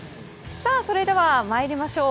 それでは参りましょう。